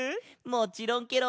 もちろんケロ！